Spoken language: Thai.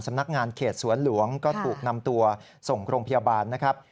นักงานเขตสวนหลวงก็ถูกนำตัวส่งโรงพยาบาลนะครับ